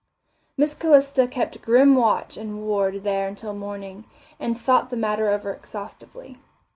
Miss Calista kept grim watch and ward there until morning, and thought the matter over exhaustively.